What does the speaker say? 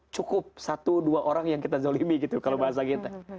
cukup satu dua orang yang kita zolimi gitu kalau bahasa kita